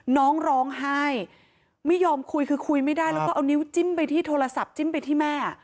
น้องร้องไห้ไม่ยอมคุยคือคุยไม่ได้แล้วก็เอานิ้วจิ้มไปที่โทรศัพท์จิ้มไปที่แม่